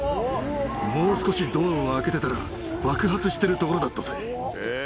もう少しドアを開けてたら爆発してるところだったぜ。